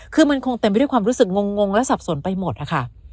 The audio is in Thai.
คือมันคงเต็มไปด้วยความรู้สึกงงและสับสนไปหมดนะคะ